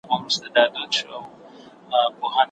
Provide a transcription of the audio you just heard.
هغه زړور انسان هيڅکله د نورو په زړونو کي ډار او وېره نه اچوي.